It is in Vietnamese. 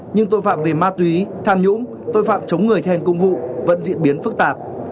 nhưng tội phạm về ma túy tham nhũng tội phạm chống người thi hành công vụ vẫn diễn biến phức tạp